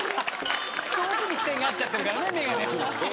遠くに視点が合っちゃってるからね眼鏡。